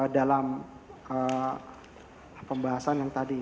dalam pembahasan yang tadi